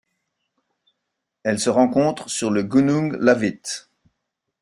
Elle se rencontre sur le Gunung Lawit.